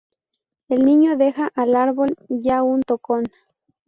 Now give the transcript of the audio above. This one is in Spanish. El niño deja al árbol, ya un tocón.